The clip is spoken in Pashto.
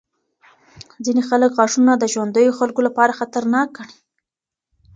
ځینې خلک غږونه د ژوندیو خلکو لپاره خطرناک ګڼي.